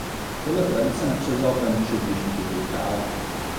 Podle tradice nepřevzal František vyšší titul krále.